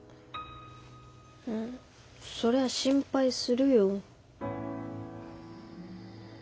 うんそりゃ心配するよ。